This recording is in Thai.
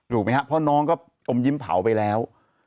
ไหมครับเพราะน้องก็อมยิ้มเผาไปแล้ว